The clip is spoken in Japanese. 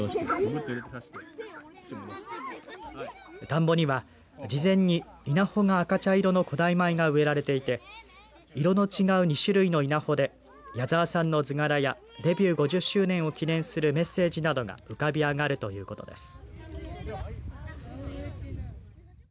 田んぼには事前に稲穂が赤茶色の古代米が植えられていて色の違う２種類の稲穂で矢沢さんの図柄やデビュー５０周年を記念するメッセージなどが浮かび上がるということです。